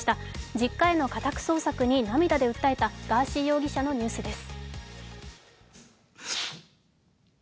自宅への家宅捜索に涙で訴えたガーシー容疑者のニュースです。